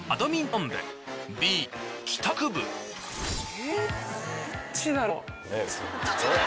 えっ。